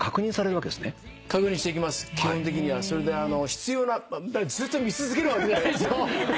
必要なずっと見続けるわけじゃないですよ。